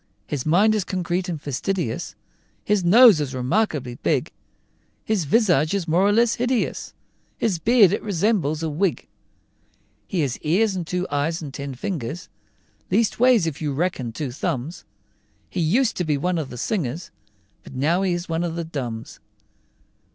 His mind is concrete and fastidious, His nose is remarkably big; His visage is more or less hideous, His beard it resembles a wig. He has ears, and two eyes, and ten fingers, Leastways if you reckon two thumbs; Long ago he was one of the singers, But now he is one of the dumbs.